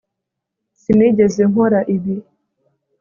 sinigeze nkora ibi